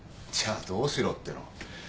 じゃあどうしろっての。